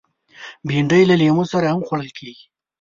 بېنډۍ له لیمو سره هم خوړل کېږي